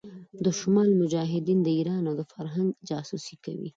د شمال مجاهدين د ايران او فرنګ جاسوسي کوي.